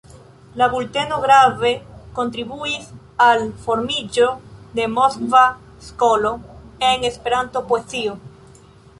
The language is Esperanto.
La bulteno grave kontribuis al formiĝo de Moskva skolo en Esperanto-poezio.